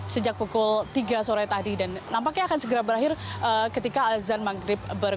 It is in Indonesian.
sejak pukul tiga sore tadi dan nampaknya akan segera berakhir ketika azan maghrib